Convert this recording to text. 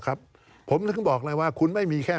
การเลือกตั้งครั้งนี้แน่